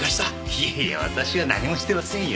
いえいえ私は何もしてませんよ